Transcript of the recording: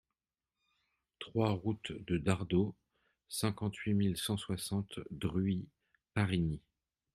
trois route de Dardault, cinquante-huit mille cent soixante Druy-Parigny